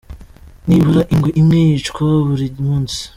Nibura ingwe imwe yicwa buri munsi.